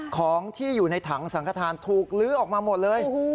ของที่อยู่ในถังสังขทานถูกลื้อออกมาหมดเลย